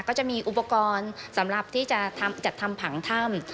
ก็จะมีอุปกรณ์สำหรับที่จะจัดทำผังถ้ำ